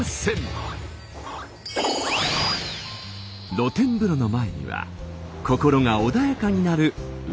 露天風呂の前には心が穏やかになる海。